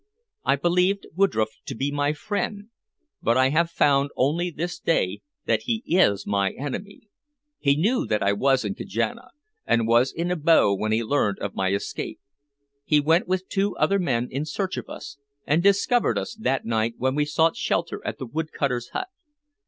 I believed Woodroffe to be my friend, but I have found only this day that he is my enemy. He knew that I was in Kajana, and was in Abo when he learned of my escape. He went with two other men in search of us, and discovered us that night when we sought shelter at the wood cutter's hut.